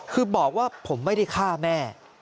คือบอกว่าผมไม่ได้ฆ่าแม่